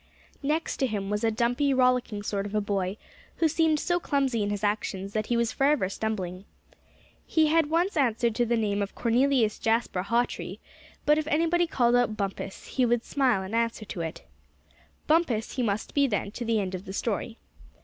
Next to him was a dumpy, rollicking sort of a boy, who seemed so clumsy in his actions that he was forever stumbling. He had once answered to the name of Cornelius Jasper Hawtree; but if anybody called out "Bumpus" he would smile, and answer to it. Bumpus he must be then to the end of the story.